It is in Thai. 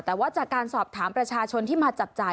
แต่ว่าจากการสอบถามประชาชนที่มาจับจ่าย